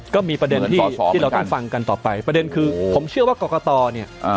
ก็มีประเด็นที่ที่เราต้องฟังกันต่อไปประเด็นคือผมเชื่อว่ากรกตเนี่ย